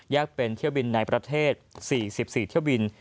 เป็นเที่ยวบินในประเทศ๔๔เที่ยวบิน